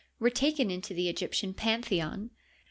were taken into the Egyptian pantheon.